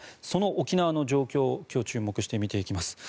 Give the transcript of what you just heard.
その沖縄の状況を今日注目して見ていきます。